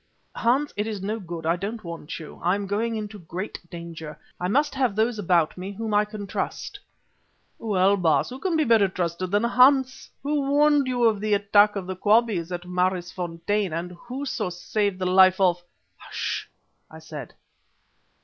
"Hans, it is no good, I don't want you. I am going into great danger. I must have those about me whom I can trust." "Well, Baas, and who can be better trusted than Hans? Who warned you of the attack of the Quabies on Maraisfontein, and so saved the life of " "Hush!" I said.